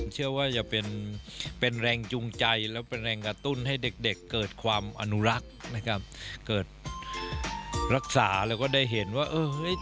เชื่อว่าจะเป็นเป็นแรงจูงใจและเป็นแรงกระตุ้นให้เด็กเด็กเกิดความอนุรักษ์นะครับเกิดรักษาแล้วก็ได้เห็นว่าเออเฮ้ย